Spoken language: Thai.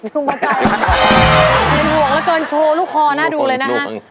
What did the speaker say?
หน่วงละเกินโชว์ลูกคอน่าดูเลยนะฮะ